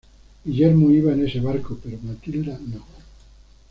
Guillermo iba en ese barco pero Matilda no.